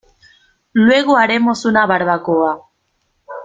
Luego haremos una barbacoa.